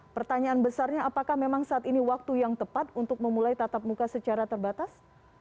pertanyaan besarnya apakah memang saat ini waktu yang tepat untuk memulai tatap muka secara terbatas